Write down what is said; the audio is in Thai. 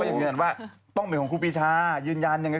อาลึกแล้วแล้วของครูฟ้าอย่างนี้